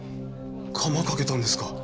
カマかけたんですか。